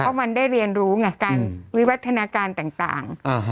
เพราะมันได้เรียนรู้ไงการวิวัฒนาการต่าง